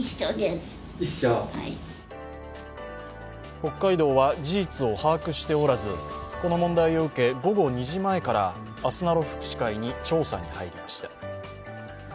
北海道は事実を把握しておらずこの問題を受け、午後２時前からあすなろ福祉会に調査に入りました。